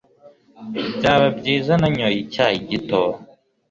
Byaba byiza nanyoye icyayi gito